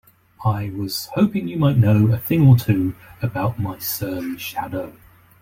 I was hoping you might know a thing or two about my surly shadow?